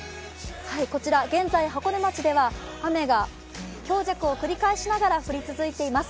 現在、箱根町では雨が強弱を繰り返しながら降り続いています。